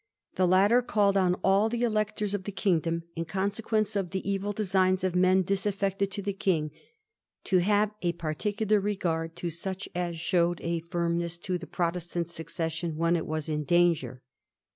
The latter called on all the electors of the kingdom, iu consequence of the evU designs of men disaffected to the King, ' to have a particular regard to such as showed a firmness to the Protestant Succession when it was in danger.'